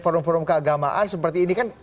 forum forum keagamaan seperti ini kan